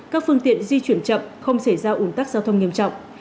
các phương tiện di chuyển chậm không xảy ra ủn tắc giao thông nghiêm trọng